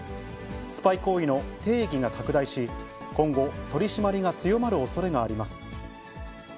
スパイ行為の定義が拡大し、今後、取締りが強まるおそれがあります。